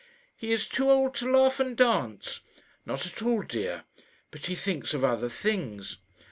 "He is too old to laugh and dance." "Not at all, dear; but he thinks of other things."